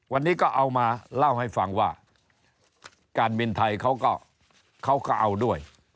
วันนี้ก็เอามาเล่าให้ฟังว่าการบินไทยเขาก็เขาก็เอาด้วย